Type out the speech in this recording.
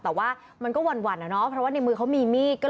แต่ว่ามันก็หวั่นอะเนาะเพราะว่าในมือเขามีมีด